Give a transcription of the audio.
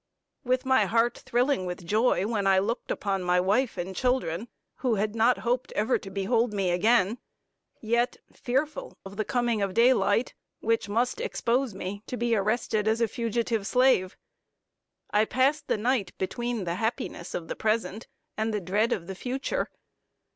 With my heart thrilling with joy, when I looked upon my wife and children, who had not hoped ever to behold me again; yet fearful of the coming of daylight, which must expose me to be arrested as a fugitive slave, I passed the night between the happiness of the present and the dread of the future.